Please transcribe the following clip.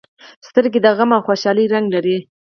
سترګې د غم او خوشالۍ رنګ لري